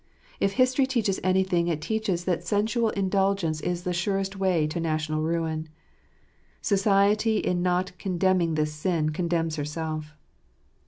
If history teaches anything, it teaches that sensual indulgence is the surest way to national ruin. Society in not condemning this sin condemns herself.